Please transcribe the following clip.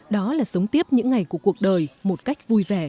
đó là sống tiếp những ngày của cuộc đời một cách vui vẻ